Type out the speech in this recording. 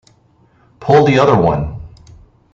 Pull the other one!